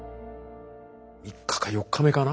３日か４日目かな。